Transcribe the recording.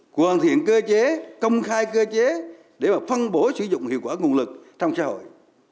hoàn thiện cơ chế công khai cơ chế để mà phân bổ sử dụng hiệu quả nguồn lực trong xã hội